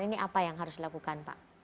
ini apa yang harus dilakukan pak